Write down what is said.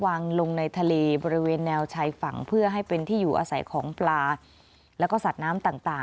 วางลงในทะเลบริเวณแนวชายฝั่งเพื่อให้เป็นที่อยู่อาศัยของปลา